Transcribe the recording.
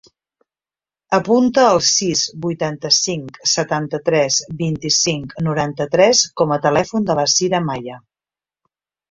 Apunta el sis, vuitanta-cinc, setanta-tres, vint-i-cinc, noranta-tres com a telèfon de la Cira Maya.